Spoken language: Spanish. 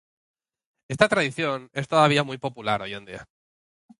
Esta tradición es todavía muy popular hoy en día.